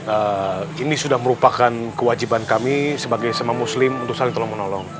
eee ini sudah merupakan kewajiban kami sebagai sema muslim untuk saling tolong menolong